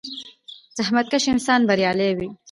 • زحمتکش انسان بریالی وي.